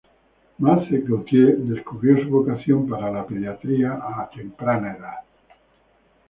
Marthe Gautier descubrió su vocación para la pediatría a una edad temprana.